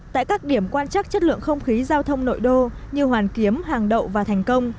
tại các điểm quan chắc chất lượng không khí giao thông nội đô như hoàn kiếm hàng đậu và thành công